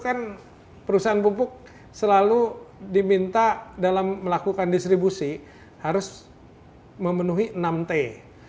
kan perusahaan pupuk selalu diminta dalam melakukan distribusi harus memenuhi enam t